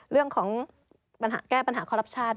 เรื่องของแก้ปัญหาคอลลัพชัน